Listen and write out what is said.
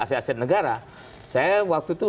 aset aset negara saya waktu itu